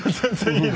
いい？